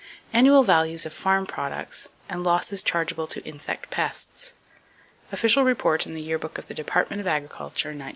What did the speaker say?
Annual Values Of Farm Products, And Losses Chargeable To Insect Pests. Official Report in the Yearbook of the Department of Agriculture, 1904.